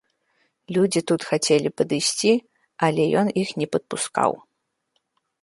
Людзі тут хацелі падысці, але ён іх не падпускаў.